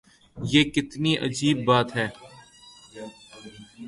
یہ کتنی عجیب بات ہے۔